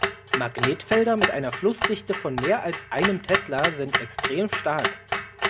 Magnetfelder mit einer Flussdichte von mehr als einem Tesla sind extrem stark.